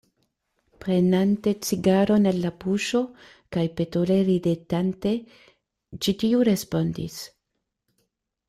Prenante cigaron el la buŝo kaj petole ridetante, ĉi tiu respondis: